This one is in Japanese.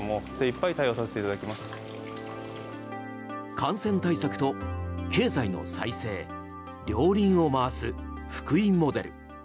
感染対策と経済の再生両輪を回す福井モデル。